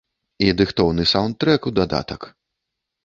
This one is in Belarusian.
І дыхтоўны саўндтрэк у дадатак.